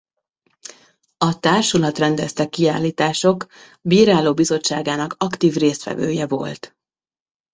A Társulat rendezte kiállítások bíráló bizottságának aktív résztvevője volt.